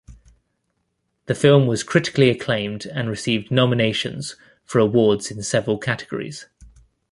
The film was critically acclaimed and received nominations for awards in several categories.